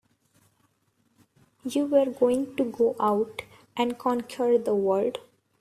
You were going to go out and conquer the world!